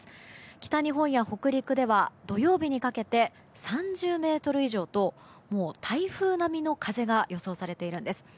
北日本や北陸では土曜日にかけて３０メートル以上と台風並みの風が予想されているんです。